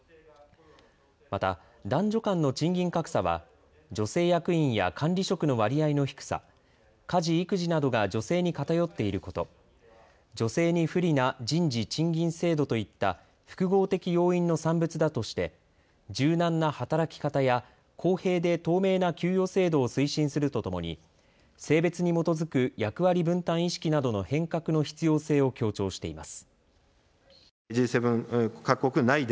また男女間の賃金格差は女性役員や管理職の割合の低さ、家事・育児などが女性に偏っていること、女性に不利な人事・賃金制度といった複合的要因の産物だとして柔軟な働き方や公平で透明な給与制度を推進するとともに性別に基づく役割分担意識などの変革の必要性を強調しています。